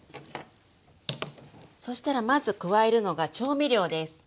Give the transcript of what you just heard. そしたらまず加えるのが調味料です。